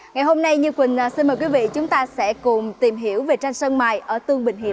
ngày hôm nay như quỳnh xin mời quý vị chúng ta sẽ cùng tìm hiểu về tranh sơn mài ở tương bình hiệp